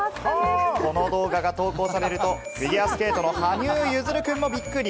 この動画が投稿されるとフィギュアスケートの羽生結弦くんもびっくり！